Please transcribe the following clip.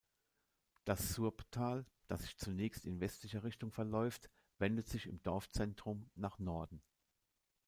Das Surbtal, das zunächst in westlicher Richtung verläuft, wendet sich im Dorfzentrum nach Norden.